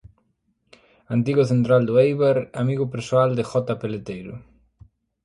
Antigo central do Éibar, amigo persoal de Jota Peleteiro.